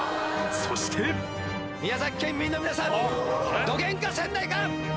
そして宮崎県民の皆さんどげんかせんといかん！